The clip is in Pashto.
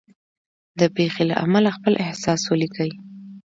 د پېښې له امله خپل احساس ولیکئ.